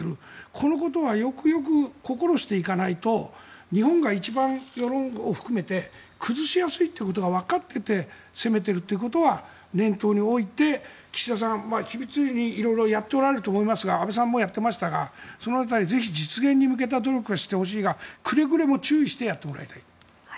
このことはよくよく心していかないと日本が一番、世論を含めて崩しやすいということがわかっていて攻めてるってことは念頭に置いて岸田さん、秘密裏に色々やっておられると思いますが安倍さんもやっていましたがその辺り、ぜひ実現に向けた努力はしてほしいがくれぐれも注意してやってもらいたい。